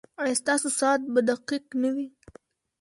ایا ستاسو ساعت به دقیق نه وي؟